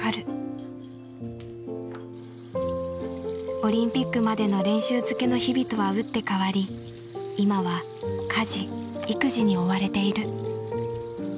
オリンピックまでの練習づけの日々とは打って変わり今は家事・育児に追われている。